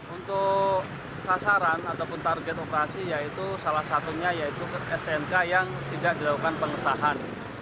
untuk sasaran ataupun target operasi yaitu salah satunya yaitu smk yang tidak dilakukan pengesahan